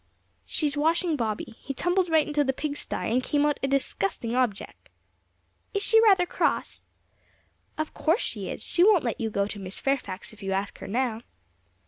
'She's washing Bobby; he tumbled right into the pig stye, and came out a disgusting objec'!' 'Is she rather cross?' 'Of course she is; she won't let you go to Miss Fairfax if you ask her now.'